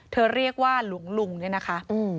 เธอเรียกว่าหลุงนี่นะคะ